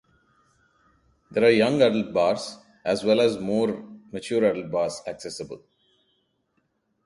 There are young-adult bars, as well as more mature-adult bars accessible.